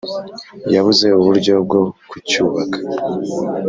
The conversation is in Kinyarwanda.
yabuze uburyo bwo kucyubaka